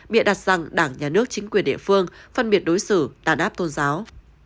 miệng đặt rằng đảng nhà nước chính quyền địa phương phân biệt đối xử đàn áp tôn giáo